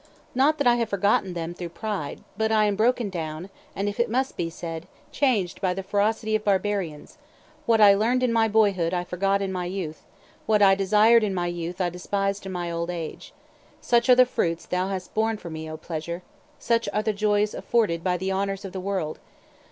Not that I have forgotten them through pride; but I am broken down, and if it must be said changed by the ferocity of barbarians; what I learned in my boyhood I forgot in my youth; what I desired in my youth, I despised in my old age. Such are the fruits thou hast borne for me, O pleasure! Such are the joys afforded by the honors of the world!